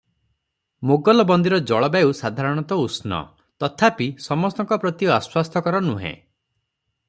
ମୋଗଲବନ୍ଦୀର ଜଳବାୟୁ ସାଧାରଣତଃ ଉଷ୍ଣ; ତଥାପି ସମସ୍ତଙ୍କ ପ୍ରତି ଅସ୍ୱାସ୍ଥ୍ୟକର ନୁହେ ।